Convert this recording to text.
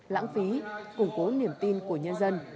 lãng phí củng cố niềm tin của nhân dân